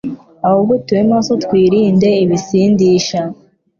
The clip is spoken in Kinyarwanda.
ahubwo tube maso twirinde ibisindisha."